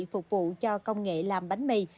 phục vụ cho công nghệ làm bánh mì